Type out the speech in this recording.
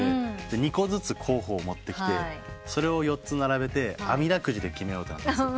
２個ずつ候補を持ってきてそれを４つ並べてあみだくじで決めようってなったんですよ。